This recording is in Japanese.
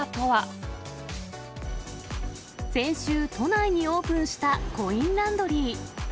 先週、都内にオープンしたコインランドリー。